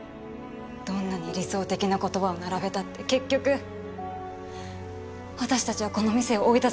どんなに理想的な言葉を並べたって結局私たちはこの店を追い出されるんです。